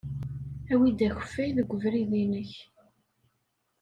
Awi-d akeffay deg ubrid-nnek.